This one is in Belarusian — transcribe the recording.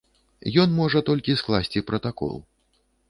Ён можа толькі скласці пратакол.